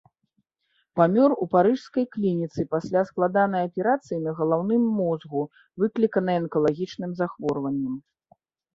Памёр у парыжскай клініцы пасля складанай аперацыі на галаўным мозгу, выкліканай анкалагічным захворваннем.